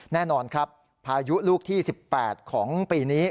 แน่นอนครับพายุลูกที่๑๘ของปีนี้